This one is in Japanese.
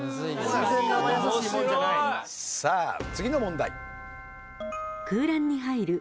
さあ次の問題。